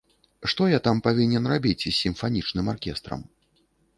Што я там павінен рабіць з сімфанічным аркестрам?